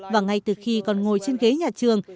và ngay từ khi còn ngồi trên ghế nhà trường